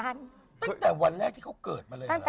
ตั้งแต่วันแรกที่เขาเกิดมาเลยเหรอ